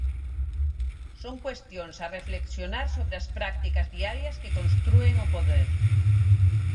Son cuestións a reflexionar sobre as prácticas diarias que constrúen o poder.